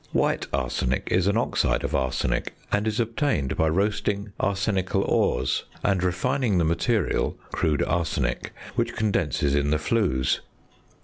White arsenic is an oxide of arsenic, and is obtained by roasting arsenical ores, and refining the material (crude arsenic), which condenses in the flues.